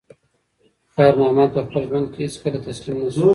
خیر محمد په خپل ژوند کې هیڅکله تسلیم نه شو.